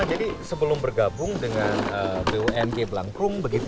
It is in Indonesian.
rama jadi sebelum bergabung dengan bumg blankrum